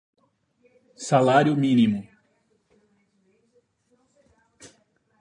salário-mínimo